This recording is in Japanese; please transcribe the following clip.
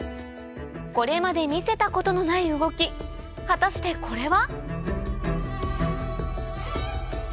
これまで見せたことのない動き果たしてこれは？